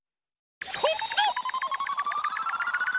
こっちだ！